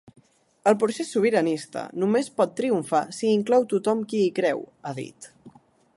El procés sobiranista només pot triomfar si inclou tothom qui hi creu –ha dit–.